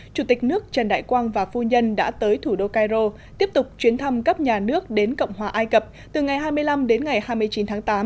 chủ tịch nước trần đại quang và phu nhân đã tới thủ đô cairo tiếp tục chuyến thăm cấp nhà nước đến cộng hòa ai cập từ ngày hai mươi năm đến ngày hai mươi chín tháng tám